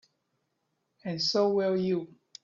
And so will you.